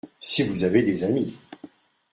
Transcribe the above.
Si vous avez des amis !…